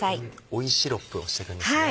追いシロップをしてるんですね。